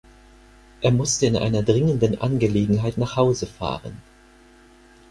Er musste in einer dringenden Angelegenheit nach Hause fahren.